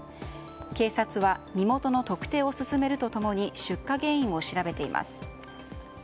警察は身元の特定を進めるとともに出火原因を調べています。